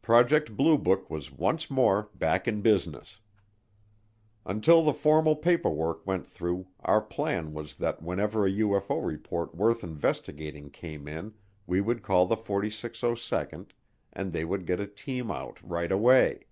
Project Blue Book was once more back in business. Until the formal paper work went through, our plan was that whenever a UFO report worth investigating came in we would call the 4602nd and they would get a team out right away.